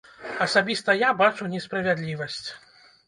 Асабіста я бачу несправядлівасць.